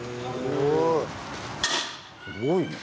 すごいね。